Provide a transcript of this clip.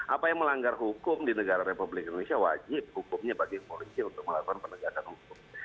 apa yang melanggar hukum di negara republik indonesia wajib hukumnya bagi polisi untuk melakukan penegakan hukum